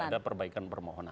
tidak ada perbaikan permohonan